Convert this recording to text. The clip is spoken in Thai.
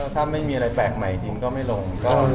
ถ้าไม่มีอะไรแปลกใหม่จริงก็ไม่ลง